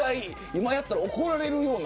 今だったら怒られるような。